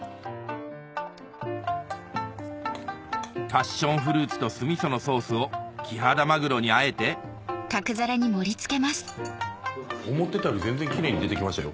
パッションフルーツと酢みそのソースをキハダマグロにあえて思ってたより全然キレイに出てきましたよ。